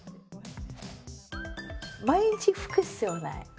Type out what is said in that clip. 毎日拭く必要ない。